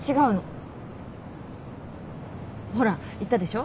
ほら言ったでしょ？